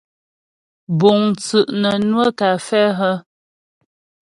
Búŋ tsú' nə́ nwə́ kafɛ́ hə́ ?